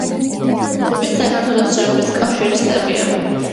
კლუბი საქართველოს რაგბის კავშირის წევრია.